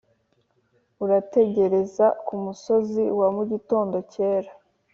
urategereza kumusozi wa mugitondo cyera,